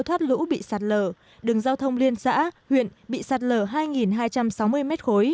thoát lũ bị sạt lở đường giao thông liên xã huyện bị sạt lở hai hai trăm sáu mươi m ba